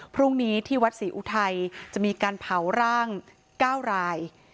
พรุ่งนี้ที่วัดศรีอุทัยจะมีการเผาร่าง๙ราย